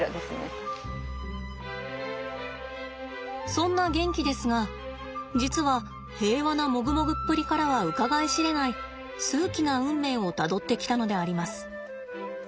そんなゲンキですが実は平和なモグモグっぷりからはうかがい知れない数奇な運命をたどってきたのであります。